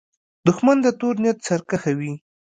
دښمن د تور نیت سرکښه وي